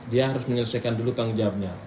dia harus menyelesaikan dulu tanggung jawabnya